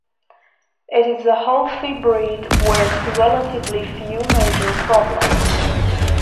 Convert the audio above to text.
It is a healthy breed with relatively few major problems.